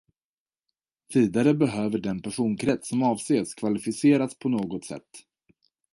Vidare behöver den personkrets som avses kvalificeras på något sätt.